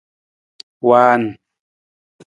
Waan.